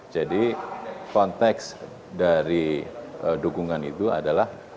jadi konteks dari dukungan itu adalah